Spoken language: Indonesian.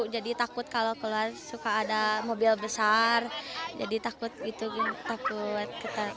jadi takut kalau keluar suka ada mobil besar jadi takut gitu takut